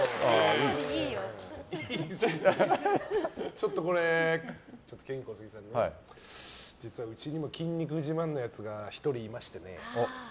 ちょっと、ケイン・コスギさんに実はうちにも筋肉自慢のやつが１人いましてね。